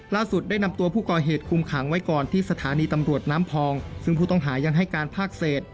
ได้นำตัวผู้ก่อเหตุคุมขังไว้ก่อนที่สถานีตำรวจน้ำพองซึ่งผู้ต้องหายังให้การภาคเศษ